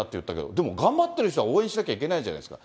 でも頑張ってる人は応援しなきゃいけないじゃないですか。